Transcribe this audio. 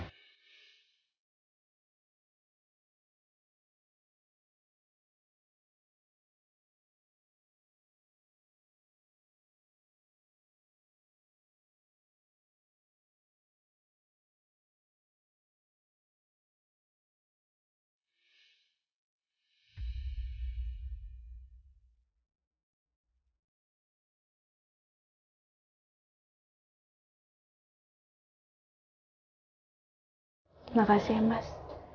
terima kasih mas